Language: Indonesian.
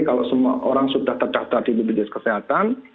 kalau semua orang sudah terdaftar di bpjs kesehatan